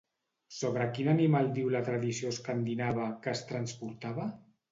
Sobre quin animal diu la tradició escandinava que es transportava?